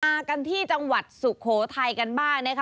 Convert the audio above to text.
มากันที่จังหวัดสุโขทัยกันบ้างนะคะ